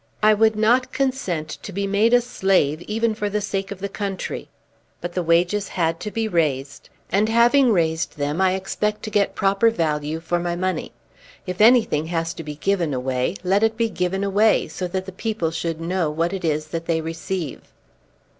"I would not consent to be made a slave even for the sake of the country. But the wages had to be raised, and having raised them I expect to get proper value for my money. If anything has to be given away, let it be given away, so that the people should know what it is that they receive."